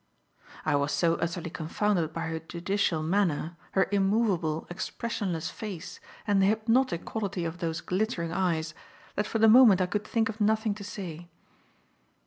I was so utterly confounded by her judicial manner, her immovable, expressionless face and the hypnotic quality of those glittering eyes, that for the moment I could think of nothing to say.